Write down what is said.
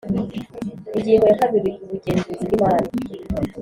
Ingingo ya kabiri Ubugenzuzi bw Imari